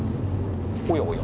おやおや。